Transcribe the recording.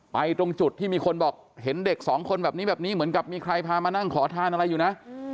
ตรงจุดที่มีคนบอกเห็นเด็กสองคนแบบนี้แบบนี้เหมือนกับมีใครพามานั่งขอทานอะไรอยู่นะ